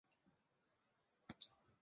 其北侧则邻近天津街商业街。